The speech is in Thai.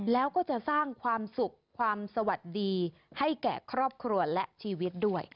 แล้วก็จะสร้างความสุขความสวัสดีให้แก่ครอบครัวและชีวิตด้วย